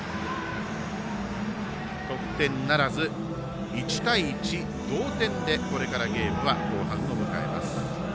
得点ならず、１対１同点で、これからゲームは後半を迎えます。